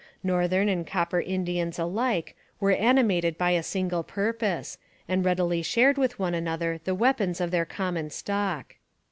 Northern and Copper Indians alike were animated by a single purpose and readily shared with one another the weapons of their common stock.